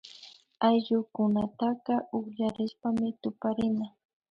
Ayllukunataka ukllashpami tuparina